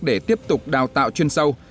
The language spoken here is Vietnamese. để tiếp tục đào tạo chuyên sâu